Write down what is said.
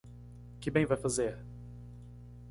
Que bem vai fazer?